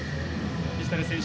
水谷選手